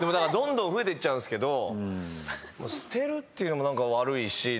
どんどん増えていっちゃうけど捨てるっていうのも何か悪いし。